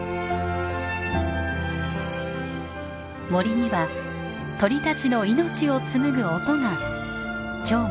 森には鳥たちの命を紡ぐ音が今日も響き続けています。